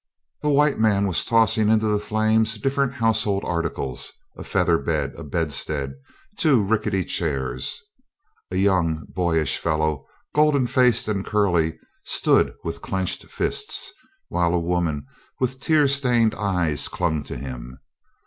A white man was tossing into the flames different household articles a feather bed, a bedstead, two rickety chairs. A young, boyish fellow, golden faced and curly, stood with clenched fists, while a woman with tear stained eyes clung to him.